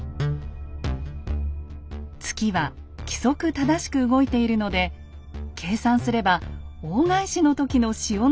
月は規則正しく動いているので計算すれば大返しの時の潮の流れがわかるのです。